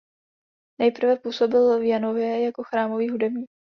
Nejprve působil v Janově jako chrámový hudebník.